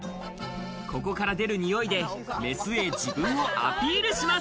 ここから出るにおいでメスへ自分をアピールします。